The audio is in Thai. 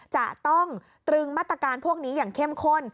จะต้องตรึงมาตรการพวกนี้อย่างเข้มข้น